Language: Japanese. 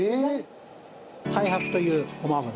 太白というごま油。